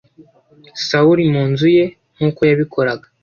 sawuli mu nzu ye nk uko yabikoraga